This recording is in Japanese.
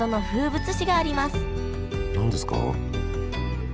何ですか？